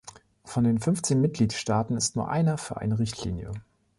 Von den fünfzehn Mitgliedstaaten ist nur einer für eine Richtlinie.